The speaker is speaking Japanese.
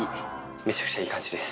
めちゃくちゃいい感じです。